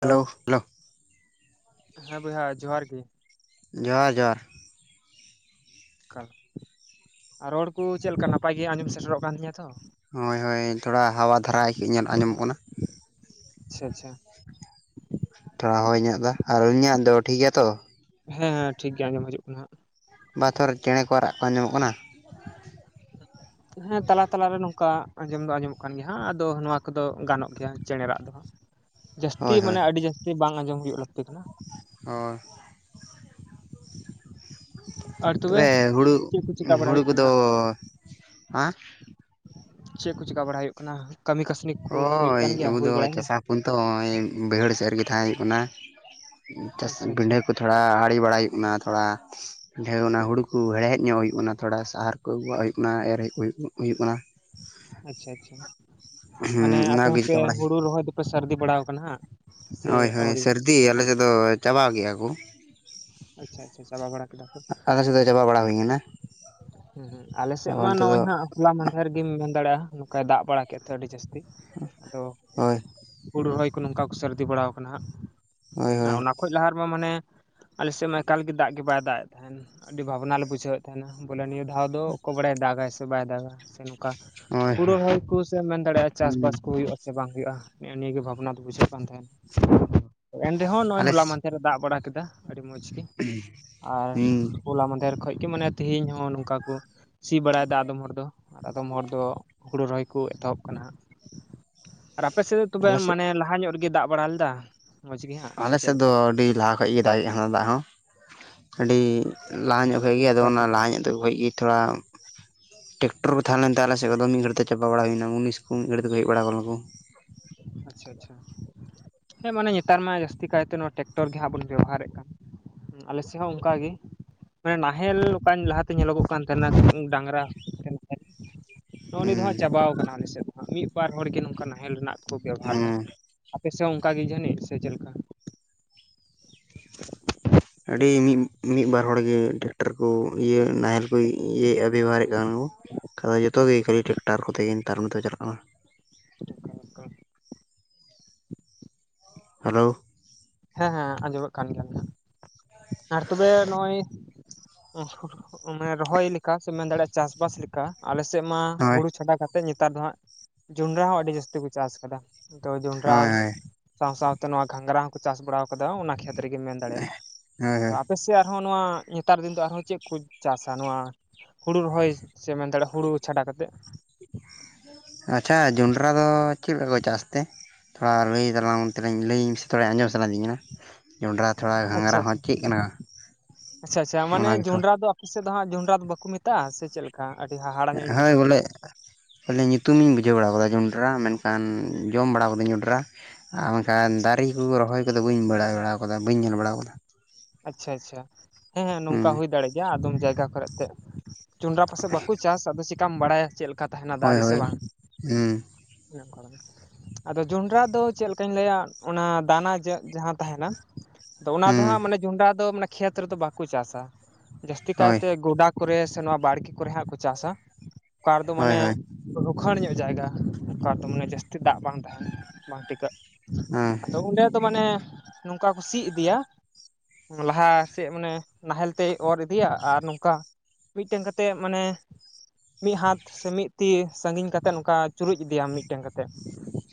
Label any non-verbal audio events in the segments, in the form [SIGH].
Hello ᱦᱮᱸ ᱵᱚᱭᱦᱟ ᱡᱚᱦᱟᱨ ᱜᱤ ᱾ ᱡᱚᱦᱟᱨ ᱡᱚᱦᱟᱨ ᱟᱨ ᱨᱚᱲ ᱠᱩ ᱪᱮᱞᱠᱟ ᱱᱟᱯᱟᱭ ᱜᱮ ᱟᱸᱡᱚᱢ ᱥᱮᱴᱮᱨᱚᱜ ᱠᱟᱱ ᱛᱤᱧᱟ ᱛᱚ? ᱦᱳᱭ ᱦᱳᱭ ᱛᱷᱚᱲᱟ ᱦᱟᱣᱟ ᱫᱷᱟᱨᱟ ᱜᱤ ᱟᱸᱡᱚᱢᱚᱜ ᱠᱟᱱᱟ ᱾ ᱟᱪᱪᱷᱟ ᱟᱪᱪᱷᱟ ᱾ ᱛᱷᱚᱲᱟ ᱦᱚᱭ ᱧᱚᱜ ᱫᱟ ᱾ ᱟᱨ ᱟᱹᱞᱤᱧᱟᱹᱜ ᱫᱚ ᱴᱷᱤᱠ ᱜᱮᱭᱟ ᱛᱚ? ᱦᱮᱸ ᱦᱮᱸ ᱴᱷᱤᱠ ᱜᱮ ᱟᱸᱡᱚᱢ ᱦᱤᱡᱩᱜ ᱠᱟᱱᱟ ᱦᱟᱸᱜ ᱾ ᱵᱟ ᱛᱷᱚᱨ ᱪᱮᱬᱮ ᱠᱚᱣᱟᱜ ᱨᱟᱜ ᱠᱚ ᱟᱸᱡᱚᱢᱚᱜ ᱠᱟᱱᱟ? [INAUDIBLE] ᱦᱮᱸ ᱛᱟᱞᱟ ᱛᱟᱞᱟ ᱨᱮ ᱱᱚᱝᱠᱟ ᱟᱸᱡᱚᱢ ᱫᱚ ᱟᱸᱡᱚᱢᱚᱜ ᱠᱟᱱ ᱜᱮ ᱦᱟᱸᱜ ᱾ ᱟᱫᱚ ᱱᱚᱣᱟ ᱠᱚᱫᱚ ᱜᱟᱱᱚᱜ ᱜᱮᱭᱟ ᱪᱮᱬᱮ ᱨᱟᱜ ᱫᱚ ᱾ ᱡᱟᱹᱥᱛᱤ ᱦᱳᱭ ᱦᱳᱭ ᱢᱟᱱᱮ ᱟᱹᱰᱤ ᱡᱟᱹᱥᱛᱤ ᱵᱟᱝ ᱟᱸᱡᱚᱢ ᱦᱩᱭᱩᱜ ᱞᱟᱹᱠᱛᱤ ᱠᱟᱱᱟ ᱾ ᱦᱳᱭ ᱛᱚᱵᱮ ᱦᱩᱲᱩᱜ ᱪᱮᱫ ᱠᱚ ᱪᱮᱠᱟ ᱵᱟᱲᱟᱭ ᱦᱩᱲᱩ ᱦᱩᱭᱩᱜ ᱠᱟᱱᱟ ᱠᱚᱫᱚ ᱦᱟᱸ ᱪᱮᱜ ᱠᱚ ᱪᱤᱠᱟ ᱵᱟᱲᱟ ᱦᱩᱭᱩᱜ ᱠᱟᱱᱟ ᱠᱟᱹᱢᱤ ᱠᱟᱹᱥᱱᱤ ᱠᱚ ᱦᱩᱭᱩᱜ ᱦᱚᱭ ᱠᱟᱱ ᱜᱮᱭᱟ ᱟᱵᱚ ᱦᱩᱭ ᱫᱚ ᱵᱟᱲᱟᱭᱮᱱᱟ ᱪᱟᱥᱟ ᱩᱱᱛᱚ ᱦᱚᱸᱜᱼᱚᱭ ᱵᱟᱹᱭᱦᱟᱹᱲ ᱥᱮᱫ ᱨᱮᱜᱮ ᱛᱟᱦᱮᱸ ᱦᱩᱭᱩᱜ ᱠᱟᱱᱟ ᱪᱟᱥ ᱟᱪᱪᱷᱟ ᱟᱪᱪᱷᱟ ᱵᱤᱸᱰᱷᱟᱹ ᱠᱚ ᱛᱷᱚᱲᱟ ᱟᱹᱲᱤ ᱵᱟᱲᱟᱭ ᱦᱩᱭᱩᱜ ᱠᱟᱱᱟ ᱛᱷᱚᱲᱟ ᱦᱮᱸ ᱚᱱᱟ ᱦᱩᱲᱩ ᱠᱚ ᱦᱮᱲᱦᱮᱫ ᱧᱚᱜ ᱦᱩᱭᱩᱜ ᱠᱟᱱᱟ ᱛᱷᱚᱲᱟ ᱥᱟᱦᱟᱨ ᱠᱚ ᱟᱹᱜᱩᱣᱟᱜ ᱦᱩᱭᱩᱜ ᱠᱟᱱᱟ ᱮᱨ ᱦᱮᱡ ᱦᱩᱭᱩᱜ ᱦᱩᱭᱩᱜ ᱠᱟᱱᱟ ᱾ ᱟᱪᱪᱷᱟ ᱟᱪᱪᱷᱟ ᱦᱩᱸ ᱢᱟᱱᱮ ᱟᱯᱮ ᱚᱱᱟᱜᱮ ᱦᱚᱸᱯᱮ ᱪᱤᱠᱟᱹ ᱵᱟᱲᱟᱭ ᱦᱩᱲᱩ ᱨᱚᱦᱚᱭ ᱫᱚᱯᱮ ᱥᱟᱹᱨᱫᱤ ᱵᱟᱲᱟ ᱟᱠᱟᱱᱟ ᱦᱟᱸᱜ᱾ ᱥᱮ ᱦᱳᱭ ᱦᱳᱭ ᱟᱹᱣᱨᱤ ᱥᱟᱹᱨᱫᱤ ᱟᱞᱮᱥᱮᱫ ᱫᱚ ᱪᱟᱵᱟ ᱠᱮᱜᱟ ᱠᱚ᱾ ᱟᱪᱪᱷᱟ ᱟᱪᱪᱷᱟ ᱪᱟᱵᱟ ᱵᱟᱲᱟ ᱟᱫᱷᱟ ᱥᱮᱫ ᱫᱚ ᱪᱟᱵᱟ ᱵᱟᱲᱟ ᱦᱩᱭ ᱠᱟᱱᱟ ᱦᱩᱸ ᱦᱩᱸ ᱟᱞᱮ ᱥᱮᱫ ᱟᱵᱟᱨ ᱢᱟ ᱱᱤᱛᱚᱜ ᱫᱚ ᱱᱚᱜᱼᱚᱭ ᱦᱟᱸᱜ᱾ ᱦᱚᱞᱟ ᱢᱟᱫᱷᱮᱨ ᱜᱤᱢ ᱢᱮᱱ ᱫᱟᱲᱮᱜᱼᱟ ᱱᱚᱝᱠᱟᱭ ᱫᱟᱜ ᱵᱟᱲᱟ ᱠᱮᱫ ᱛᱮ ᱟᱹᱰᱤ ᱡᱟᱹᱥᱛᱤ᱾ ᱟᱫᱚ ᱦᱳᱭ ᱦᱩᱲᱩ ᱨᱚᱦᱚᱭ ᱠᱚ ᱱᱚᱝᱠᱟ ᱠᱚ ᱥᱟᱹᱨᱫᱤ ᱵᱟᱲᱟᱣ ᱠᱟᱱᱟ ᱦᱟᱸᱜ, ᱦᱳᱭ ᱟᱨ ᱦᱳᱭ ᱚᱱᱟ ᱠᱷᱚᱡ ᱞᱟᱦᱟ ᱨᱮᱢᱟ ᱢᱟᱱᱮ ᱟᱞᱮᱥᱮᱫ ᱢᱟ ᱮᱠᱟᱞ ᱜᱮ ᱫᱟᱜ ᱜᱮ ᱵᱟᱭ ᱫᱟᱜ ᱮᱫ ᱛᱟᱦᱮᱸᱫ ᱟᱹᱰᱤ ᱵᱷᱟᱵᱱᱟ ᱞᱮ ᱵᱩᱡᱷᱟᱹᱣᱮᱫ ᱛᱟᱦᱮᱱᱟ ᱵᱚᱞᱮ ᱱᱤᱭᱟᱹ ᱟᱫᱚ ᱚᱠᱚᱭ ᱵᱟᱲᱟᱭᱟ ᱫᱟᱜᱟᱭ ᱥᱮ ᱵᱟᱭ ᱫᱟᱜᱟ ᱥᱮ ᱱᱚᱝᱠᱟ ᱦᱳᱭ ᱦᱩᱲᱩ ᱨᱚᱦᱚᱭ ᱠᱩ ᱥᱮᱢ ᱢᱮᱱ ᱫᱟᱲᱮᱭᱟᱜᱼᱟ ᱦᱩᱸ ᱪᱟᱥᱵᱟᱥ ᱠᱚ ᱦᱩᱭᱩᱜᱼᱟ᱾ ᱥᱮ ᱵᱟᱝ ᱦᱩᱭᱩᱜᱼᱟ ᱱᱮᱜᱼᱮ ᱱᱤᱭᱟᱹ ᱜᱮ ᱵᱷᱟᱵᱱᱟ ᱫᱚ ᱵᱩᱡᱷᱟᱹᱜ ᱠᱟᱱ ᱛᱟᱦᱮᱸ᱾ ᱮᱱ ᱨᱮᱦᱚᱸ ᱱᱚᱜᱼᱚᱭ ᱟᱞᱮ ᱦᱚᱞᱟ ᱢᱟᱫᱷᱮᱨ ᱨᱮ ᱫᱟᱜ ᱵᱟᱲᱟ ᱠᱮᱫᱟ ᱟᱹᱰᱤ ᱢᱚᱡᱽ ᱜᱮ ᱾ᱟᱨ ᱦᱩᱸ ᱦᱚᱞᱟ ᱢᱟᱫᱷᱮᱨ ᱠᱷᱚᱡ ᱜᱮ ᱢᱟᱱᱮ ᱛᱤᱦᱤᱧ ᱦᱚᱸ ᱱᱚᱝᱠᱟ ᱠᱚ ᱥᱤ ᱵᱟᱲᱟᱭᱮᱫᱟ ᱟᱫᱚᱢ ᱦᱚᱲ ᱫᱚ ᱟᱫᱚᱢ ᱦᱚᱲ ᱫᱚ ᱦᱳᱲᱳ ᱨᱚᱦᱚᱭ ᱠᱚ ᱮᱛᱚᱦᱚᱵ ᱟᱠᱟᱱᱟ ᱾ ᱟᱨ ᱟᱯᱮᱥᱮᱫ ᱫᱚ ᱛᱚᱵᱮ ᱟᱞᱮ ᱥᱮᱫ ᱢᱟᱱᱮ ᱞᱟᱦᱟ ᱧᱚᱜ ᱨᱮᱜᱮ ᱫᱟᱜ ᱵᱟᱲᱟ ᱞᱮᱫᱟ? ᱢᱚᱡᱽ ᱜᱮ ᱦᱟᱸᱜ ᱥᱮ ᱪᱮᱫ ᱟᱞᱮᱥᱮᱫ ᱫᱚ ᱞᱮᱠᱟ ᱟᱹᱰᱤ ᱞᱟᱦᱟ ᱠᱷᱚᱡ ᱜᱮ ᱫᱟᱜᱮᱫ ᱛᱟᱦᱮᱱᱟ ᱫᱟᱜ ᱦᱚᱸ ᱟᱹᱰᱤ ᱞᱟᱦᱟ ᱧᱚᱜ ᱠᱷᱟᱡ ᱟᱹᱰᱤ ᱜᱮ ᱟᱫᱚ ᱱᱟᱯᱟᱭ ᱛᱚᱵᱮ ᱞᱟᱦᱟ ᱧᱚᱜ [UNINTELLIGIBLE] ᱛᱷᱚᱲᱟ ᱴᱮᱠᱴᱚᱨ ᱠᱚ ᱛᱟᱦᱮᱸ ᱞᱮᱱᱛᱮ ᱟᱞᱮᱥᱮᱫ ᱫᱚ ᱢᱤᱫ ᱜᱷᱟᱹᱲᱤᱡ ᱛᱮ ᱪᱟᱵᱟ ᱵᱟᱲᱟ ᱦᱩᱭᱱᱟ᱾ ᱢᱩᱱᱤᱥ ᱠᱚ ᱢᱤᱫ ᱜᱷᱟᱹᱲᱤᱡ ᱛᱮᱠᱚ ᱦᱮᱡ ᱵᱟᱲᱟ ᱟᱠᱟᱱᱟ ᱠᱚ᱾ ᱟᱪᱪᱷᱟ ᱟᱪᱪᱷᱟ, ᱵᱦᱮᱸ ᱢᱟᱱᱮ ᱱᱮᱛᱟᱨ ᱢᱟ ᱡᱟᱹᱥᱛᱤ ᱠᱟᱭᱛᱮ ᱱᱚᱣᱟ ᱴᱨᱟᱠᱴᱚᱨ ᱜᱮ ᱦᱟᱸᱜ ᱵᱚᱱ ᱵᱮᱵᱚᱦᱟᱨᱮᱫ ᱠᱟᱱ᱾ ᱟᱞᱮ ᱥᱮᱫ ᱦᱚᱸ ᱚᱱᱠᱟ ᱜᱮ᱾ ᱢᱟᱱᱮ ᱱᱟᱦᱮᱞ ᱚᱠᱟ ᱞᱟᱦᱟ ᱛᱮ ᱧᱮᱞᱚᱜᱚᱜ ᱠᱟᱱ ᱛᱟᱦᱮᱱᱟ ᱰᱟᱺᱝᱨᱟ ᱱᱚᱜᱼᱚ ᱦᱩᱸ ᱱᱤᱭᱟᱹ ᱫᱚ ᱦᱟᱸᱜ ᱪᱟᱵᱟᱣ ᱠᱟᱱᱟ ᱟᱞᱮ ᱥᱮᱫ ᱫᱚ ᱦᱟᱸᱜ ᱢᱤᱫ ᱵᱟᱨ ᱦᱚᱲ ᱜᱮ ᱱᱚᱝᱠᱟ ᱱᱟᱦᱮᱞ ᱨᱮᱱᱟᱜ ᱠᱚ ᱵᱮᱵᱚᱦᱟᱨ ᱦᱮᱸ ᱫᱟ᱾ ᱟᱯᱮ ᱥᱮᱫ ᱚᱱᱠᱟ ᱜᱮ ᱡᱟᱹᱱᱤᱡ ᱥᱮ ᱪᱮᱫ ᱞᱮᱠᱟ? ᱟᱹᱰᱤ ᱢᱤᱫ ᱢᱤᱫ ᱵᱟᱨ ᱦᱚᱲ ᱜᱮ ᱴᱮᱠᱴᱟᱨ ᱠᱚ ᱤᱭᱟᱹ ᱱᱟᱦᱮᱞ ᱠᱚ ᱤᱭᱟᱹᱭᱮᱜᱼᱟ ᱵᱮᱵᱚᱦᱟᱨᱮᱫ ᱠᱚ᱾ ᱡᱚᱛᱚ ᱜᱮ ᱠᱷᱟᱹᱞᱤ ᱴᱨᱟᱠᱴᱟᱨ ᱠᱚᱛᱮ ᱜᱮ ᱱᱮᱛᱟᱨ ᱢᱟᱛᱚ ᱪᱟᱞᱟᱜ ᱠᱟᱱᱟ᱾ [UNINTELLIGIBLE] ᱦᱮᱞᱳ ᱦᱮᱸ ᱦᱮᱸ ᱟᱸᱡᱚᱢᱮᱫ ᱠᱟᱱ ᱜᱮᱭᱟ ᱟᱨ ᱛᱚᱵᱮ ᱱᱚᱜᱼᱚᱭ ᱢᱟᱱᱮ ᱨᱚᱦᱚᱭ ᱞᱮᱠᱟ ᱥᱮ ᱢᱮᱱ ᱫᱟᱲᱮᱭᱟᱜᱼᱟ ᱪᱟᱥᱵᱟᱥ ᱞᱮᱠᱟ ᱟᱞᱮ ᱥᱮᱫ ᱢᱟ ᱦᱳᱭ ᱦᱩᱲᱩ ᱪᱷᱟᱰᱟ ᱠᱟᱛᱮ ᱱᱮᱛᱟᱨ ᱫᱚ ᱦᱟᱸᱜ ᱡᱚᱸᱰᱨᱟ ᱦᱚᱸ ᱟᱹᱰᱤ ᱡᱟᱹᱥᱛᱤ ᱠᱚ ᱪᱟᱥ ᱠᱟᱫᱟ, ᱛᱚ ᱡᱚᱸᱰᱨᱟ ᱦᱳᱭ ᱟᱨ ᱦᱳᱭ ᱦᱳᱭ ᱥᱟᱶ ᱥᱟᱶ ᱛᱮ ᱱᱚᱣᱟ ᱜᱷᱟᱸᱜᱨᱟ ᱦᱚᱸᱠᱚ ᱪᱟᱥ ᱵᱟᱲᱟ ᱟᱠᱟᱫᱟ ᱚᱱᱟ ᱠᱷᱮᱛ ᱨᱮᱜᱮᱢ ᱢᱮᱱ ᱦᱳᱭ ᱫᱟᱲᱮᱭᱟᱜᱼᱟ ᱾ᱟᱯᱮ ᱥᱮᱭᱟᱜ ᱱᱚᱜᱼᱚ ᱱᱚᱣᱟ ᱱᱮᱛᱟᱨ ᱫᱤᱱ ᱫᱚ ᱟᱨᱦᱚᱸ ᱪᱮᱫ ᱠᱚ ᱪᱟᱥᱟ, ᱱᱚᱣᱟ ᱦᱩᱲᱩ ᱨᱚᱦᱚᱭ ᱥᱮᱢ ᱢᱮᱱ ᱫᱟᱲᱭᱟᱜᱼᱟ ᱦᱩᱲᱩ ᱪᱷᱟᱰᱟ ᱠᱟᱛᱮᱫ᱾ ᱟᱪᱪᱷᱟ ᱡᱚᱸᱰᱨᱟ ᱫᱚ ᱪᱮᱫ ᱞᱮᱠᱟ ᱠᱚ ᱪᱟᱥ ᱛᱮ? ᱛᱷᱚᱲᱟ ᱞᱟᱹᱭ ᱫᱟᱞᱟᱝ [INAUDIBLE] ᱞᱟᱹᱭᱟᱹᱧ ᱢᱮ ᱥᱮ ᱛᱷᱚᱲᱟ ᱟᱸᱡᱚᱢ ᱥᱟᱱᱟᱭᱫᱤᱧ ᱠᱟᱱᱟ᱾ ᱡᱚᱱᱰᱨᱟ ᱛᱷᱚᱲᱟ ᱟᱪᱪᱷᱟ ᱜᱷᱟᱸᱜᱨᱟ ᱦᱚᱸ ᱟᱪᱪᱷᱟ ᱪᱮᱫ ᱠᱟᱱᱟ ᱟᱪᱪᱷᱟ ᱟᱪᱪᱷᱟ ᱢᱟᱱᱮ ᱚᱱᱟ ᱜᱮᱛᱚ᱾ ᱡᱚᱱᱰᱨᱟ ᱫᱚ ᱥᱮᱫ ᱫᱚ ᱦᱟᱸᱜ ᱡᱚᱸᱰᱨᱟ ᱫᱚ ᱵᱟᱠᱚ ᱢᱮᱛᱟᱜᱼᱟ ᱥᱮ ᱪᱮᱫ ᱞᱮᱠᱟ ᱟᱹᱰᱤ ᱦᱟᱦᱟᱲᱟ ᱧᱚᱜ ᱤᱧ ᱵᱩᱡᱷᱟᱹᱣ ᱠᱮᱫᱟ᱾ ᱠᱷᱟᱞᱮ ᱧᱩᱛᱩᱢᱤᱧ ᱵᱩᱡᱷᱟᱹᱣ ᱵᱟᱲᱟ ᱟᱠᱟᱫᱟ ᱡᱚᱸᱰᱨᱟ ᱢᱮᱱᱠᱷᱟᱱ ᱡᱚᱢ ᱵᱟᱲᱟ ᱟᱠᱟᱫᱟᱹᱧ ᱡᱚᱸᱰᱨᱟ ᱟᱨ ᱢᱮᱱᱠᱷᱟᱱ ᱫᱟᱨᱮ ᱠᱚ ᱨᱚᱦᱚᱭ ᱠᱚᱫᱚ ᱵᱟᱹᱧ ᱵᱟᱲᱟᱭ ᱵᱟᱲᱟ ᱠᱟᱫᱟ ᱵᱟᱹᱧ ᱧᱮᱞ ᱵᱟᱲ ᱠᱟᱫᱟ᱾ ᱟᱪᱪᱷᱟ ᱟᱪᱪᱷᱟ ᱦᱮᱸ ᱦᱮᱸ ᱱᱚᱝᱠᱟ ᱦᱩᱭ ᱫᱟᱲᱮ ᱜᱮᱭᱟ ᱟᱫᱚᱢ ᱡᱟᱭᱜᱟ ᱠᱚᱨᱮ ᱛᱮ ᱡᱚᱸᱰᱨᱟ ᱯᱟᱥᱮᱡ ᱵᱟᱠᱚ ᱪᱟᱥ ᱟᱫᱚ ᱪᱤᱠᱟᱢ ᱵᱟᱲᱟᱭᱟ ᱪᱮᱫ ᱞᱮᱠᱟ ᱛᱟᱦᱮᱱᱟ ᱦᱳᱭ ᱫᱟᱨᱮ ᱥᱮ ᱦᱳᱭ ᱵᱟᱝ ᱦᱮᱸ [INAUDIBLE] ᱟᱫᱚ ᱡᱚᱱᱰᱨᱟ ᱫᱚ ᱪᱮᱫ ᱞᱮᱠᱟᱧ ᱞᱟᱹᱭᱟ ᱚᱱᱟ ᱫᱟᱱᱟ ᱡᱟᱦᱟᱸ ᱛᱟᱦᱮᱱᱟ ᱟᱫᱚ ᱚᱱᱟ ᱫᱚ ᱦᱮᱸ ᱦᱟᱸᱜ ᱢᱟᱱᱮ ᱡᱚᱸᱱᱰᱨᱟ ᱫᱚ ᱢᱟᱱᱮ ᱠᱷᱮᱛ ᱨᱮᱫᱚ ᱵᱟᱠᱚ ᱪᱟᱥᱟ᱾ ᱡᱟᱹᱥᱛᱤ ᱦᱳᱭ ᱠᱟᱭᱛᱮ ᱜᱚᱰᱟ ᱠᱚᱨᱮ ᱥᱮ ᱱᱚᱣᱟ ᱵᱟᱲᱜᱮ ᱠᱚᱨᱮ ᱦᱟᱸᱜ ᱠᱚ ᱪᱟᱥᱟ᱾ ᱚᱠᱟ ᱨᱮ ᱫᱚ ᱦᱳᱭ ᱢᱟᱱᱮ ᱦᱳᱭ ᱦᱮᱸ ᱨᱚᱠᱷᱟᱹᱲ ᱧᱚᱜ ᱡᱟᱭᱜᱟ ᱚᱱᱠᱟ ᱛᱚ ᱢᱟᱱᱮ ᱡᱟᱹᱥᱛᱤ ᱫᱟᱜ ᱵᱟᱝ ᱛᱟᱦᱮᱱᱟ ᱵᱟᱝ ᱴᱤᱠᱟᱹᱜ᱾ ᱦᱮᱸ ᱛᱚ ᱚᱸᱰᱮ ᱫᱚ ᱢᱟᱱᱮ ᱱᱚᱝᱠᱟ ᱠᱚ ᱥᱤ ᱤᱫᱤᱭᱟ ᱞᱟᱦᱟ ᱥᱮᱫ ᱢᱟᱱᱮ ᱱᱟᱦᱮᱞ ᱛᱮᱭ ᱚᱨ ᱤᱫᱤᱭᱟ ᱟᱨ ᱱᱚᱝᱠᱟ ᱢᱤᱫᱴᱮᱱ ᱠᱟᱛᱮᱜ ᱢᱟᱱᱮ ᱢᱤᱫ ᱦᱟᱛ ᱥᱮ ᱢᱤᱫ ᱛᱤ ᱥᱟᱹᱜᱤᱧ ᱠᱟᱛᱮᱫ ᱱᱚᱝᱠᱟ ᱪᱩᱨᱩᱡ ᱤᱫᱟᱢ ᱢᱤᱫᱴᱮᱱ ᱠᱟᱛᱮᱫ᱾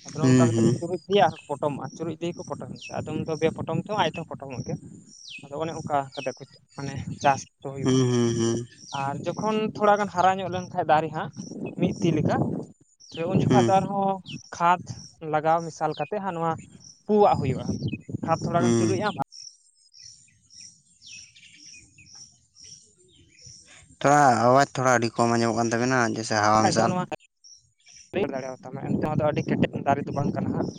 ᱟᱫᱚ ᱱᱚ ᱱᱚᱝᱠᱟ ᱠᱟ ᱠᱟᱛᱮ ᱠᱚ ᱦᱮᱸ ᱪᱩᱨᱩᱡ ᱜᱤᱭᱮ ᱟᱨ ᱠᱚ ᱯᱚᱴᱚᱢᱚᱜᱼᱟ ᱪᱩᱨᱩᱡ ᱛᱮᱤᱭᱮ ᱠᱚ ᱯᱚᱴᱚᱢ ᱟᱫᱚᱢ ᱫᱚ ᱵᱮ ᱯᱚᱴᱚᱢ ᱛᱮᱚᱸ ᱟᱡ ᱛᱮᱦᱚᱸ ᱯᱚᱴᱚᱢᱚᱜ ᱜᱮᱭᱟ᱾ ᱟᱫᱚ ᱚᱱᱮ ᱚᱱᱠᱟ ᱠᱟᱛᱮ ᱠᱚ ᱢᱟᱱᱮ ᱪᱟᱥ ᱫᱚ ᱦᱮᱸ ᱦᱩᱭᱩᱜᱼᱟ᱾ ᱦᱮᱸ ᱦᱮᱸ ᱟᱨ ᱡᱚᱠᱷᱚᱱ ᱛᱷᱚᱲᱟᱟᱜᱟᱱ ᱦᱟᱨᱟ ᱧᱚᱜ ᱞᱮᱱᱠᱷᱷᱟ ᱫᱟᱨᱮ ᱦᱟᱸᱜ ᱢᱤᱫ ᱛᱤ ᱞᱮᱠᱟ [UNINTELLIGIBLE] ᱩᱱᱡ ᱡᱚᱠᱷᱷᱟ ᱦᱮᱸ ᱫᱚ ᱟᱨᱦᱚᱸ ᱠᱷᱟᱛ ᱞᱟᱜᱟᱣ ᱢᱮᱥᱟᱞ ᱠᱟᱛᱮᱫ ᱦᱟᱸᱜ ᱱᱚᱣᱟ ᱯᱩᱣᱟᱜ ᱦᱩᱭᱩᱜᱼᱟ ᱠᱷᱟᱛ ᱛᱷᱚᱲᱟᱜᱟᱱ ᱦᱮᱸ ᱪᱩᱨᱩᱡᱼᱟᱢ ᱛᱷᱚᱲᱟ ᱟᱣᱟᱡᱽ ᱛᱷᱚᱲᱟ ᱟᱹᱰᱤ ᱠᱚᱢ ᱟᱸᱡᱚᱜ ᱠᱟᱱ ᱛᱟᱵᱮᱱᱟ ᱡᱟ. ᱥ ᱠᱷᱟᱡ ᱫᱚ ᱱᱚᱣᱟ [UNINTELLIGIBLE] ᱫᱟᱲᱮᱭᱟᱛᱟᱢᱟ ᱮᱱᱛᱮ ᱫᱚ ᱟᱹᱰᱤ ᱠᱮᱴᱮᱡ ᱫᱟᱨᱮ ᱫᱚ ᱵᱟᱝ ᱠᱟᱱᱟ ᱦᱟᱸᱜ